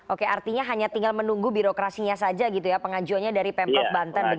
oke artinya hanya tinggal menunggu birokrasinya saja gitu ya pengajuannya dari pemprov banten